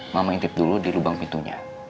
mama intip dulu di lubang pintunya